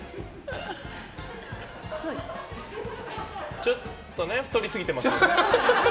ちょっと太りすぎてますよね。